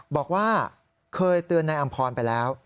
บอกว่าเคยเตือนนายอำพรไปแล้ว